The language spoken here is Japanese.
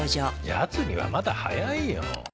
やつにはまだ早いよ。